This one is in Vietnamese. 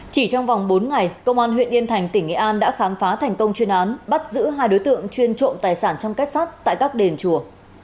chỉ trong vòng bốn ngày công an huyện yên thành tỉnh nghệ an đã khám phá thành công chuyên án bắt giữ hai đối tượng chuyên trộm tài sản trong kết sắt tại các đền chùa